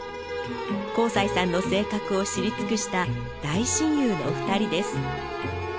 幸才さんの性格を知り尽くした大親友の２人です。